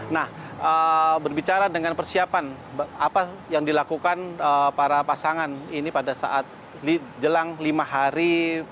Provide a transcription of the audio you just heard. nah berbicara dengan persiapan apa yang dilakukan para pasangan ini pada saat jelang lima hari